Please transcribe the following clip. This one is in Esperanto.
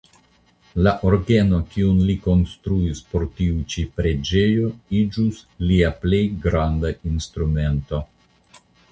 La orgeno kiun li konstruis por tiu ĉi preĝejo iĝus lia plej granda instrumento.